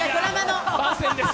番宣です。